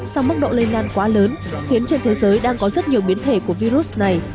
song mức độ lây lan quá lớn khiến trên thế giới đang có rất nhiều biến thể của virus này